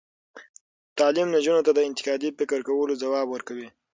تعلیم نجونو ته د انتقادي فکر کولو ځواک ورکوي.